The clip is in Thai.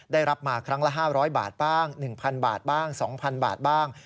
ได้รับมาครั้งละ๕๐๐บาทบ้าง๑๐๐บาทบ้าง๒๐๐บาทบ้าง